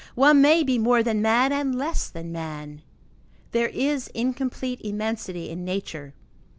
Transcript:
One may be more than man and less than man. There is incomplete immensity in nature.